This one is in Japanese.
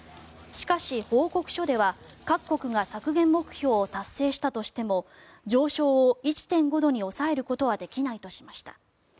しかし報告書では、各国が削減目標を達成したとしても上昇を１．５度に抑えることはできないとしました。